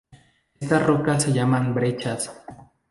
Estas rocas se llaman brechas.